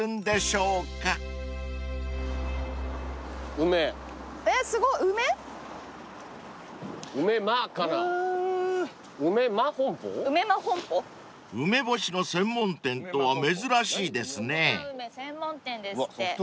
国産梅専門店ですって。